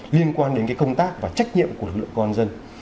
liên quan đến công tác và trách nhiệm của lực lượng công an dân